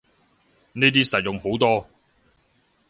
呢啲實用好多